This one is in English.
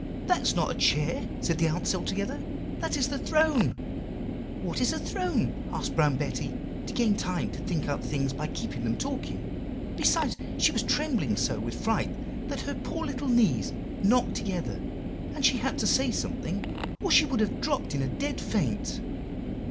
"'That is not a chair,' said the ants all together, 'that is the throne.' "'What's a throne?' asked Brown Betty, to gain time to think out things by keeping them talking. Besides, she was trembling so with fright, that her poor little knees knocked together, and she had to say something or she would have dropped in a dead faint.